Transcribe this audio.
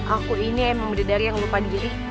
aku ini emang dari yang lupa diri